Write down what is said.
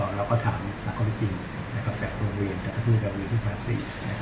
แล้วก็ถามจากข้อที่จริงจากโรงเรียนจากพฤติภาษี